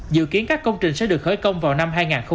dự kiến các công trình sẽ được khởi công vào năm hai nghìn hai mươi